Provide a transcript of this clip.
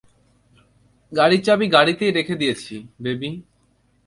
গাড়ির চাবি গাড়িতেই রেখে দিয়েছি, বেবি!